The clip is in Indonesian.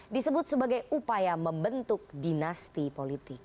disebut sebagai upaya membentuk dinasti politik